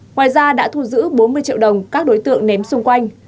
ngoài ra đã thu giữ bốn mươi triệu đồng các đối tượng ném xung quanh